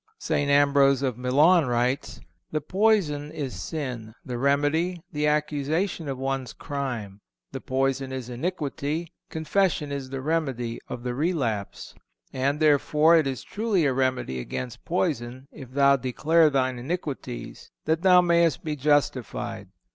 St. Ambrose, of Milan, writes: "The poison is sin; the remedy, the accusation of one's crime: the poison is iniquity; confession is the remedy of the relapse. And, therefore, it is truly a remedy against poison, if thou declare thine iniquities, that thou mayest be justified.